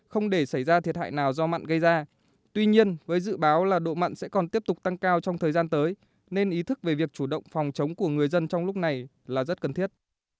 không để xảy ra thiệt hại nào do mặn gây ra tuy nhiên với dự báo là độ mặn sẽ còn tiếp tục tăng cao trong thời gian tới nên ý thức về việc chủ động phòng chống của người dân trong lúc này là rất cần thiết